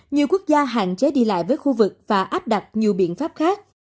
nhiều quốc gia hạn chế đi lại với khu vực và áp đặt nhiều biện pháp khác